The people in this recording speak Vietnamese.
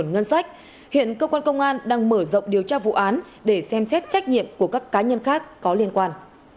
ngân sách hiện cơ quan công an đang mở rộng điều tra vụ án để xem xét trách nhiệm của các cá nhân khác có liên quan